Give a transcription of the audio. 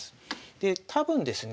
で多分ですね